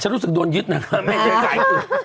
ฉันรู้สึกโดนยึดนะครับ